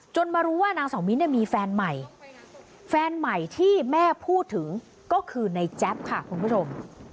มารู้ว่านางเสามิ้นเนี่ยมีแฟนใหม่แฟนใหม่ที่แม่พูดถึงก็คือในแจ๊บค่ะคุณผู้ชม